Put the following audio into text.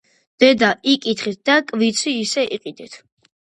დედა იკითხეთ და კვიცი ისე იყიდეთ.